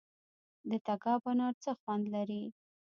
د تګاب انار څه خوند لري؟